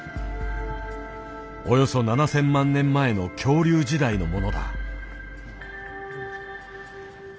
およそ７，０００万年前の恐竜時代のものだ。